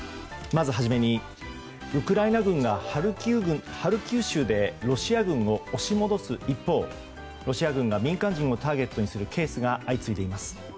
まずはじめに、ウクライナ軍がハルキウ州でロシア軍を押し戻す一方ロシア軍が民間人をターゲットにするケースが相次いでいます。